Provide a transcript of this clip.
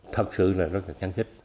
thật sự là rất là kháng trích